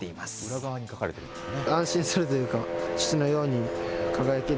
裏側に書かれているんですね。